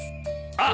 あっ！